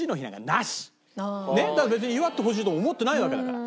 別に祝ってほしいと思ってないわけだから。